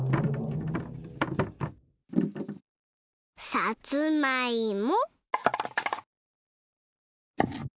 さつまいも。